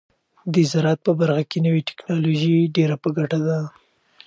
د زراعت په برخه کې نوې ټیکنالوژي ډیره په ګټه ده.